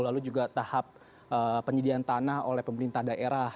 lalu juga tahap penyediaan tanah oleh pemerintah daerah